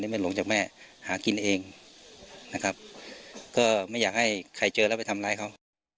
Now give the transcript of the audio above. ไม่หลงจากแม่หากินเองนะครับก็ไม่อยากให้ใครเจอแล้วไปทำร้ายเขา